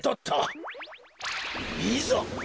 いざ！